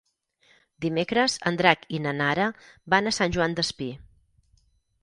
Dimecres en Drac i na Nara van a Sant Joan Despí.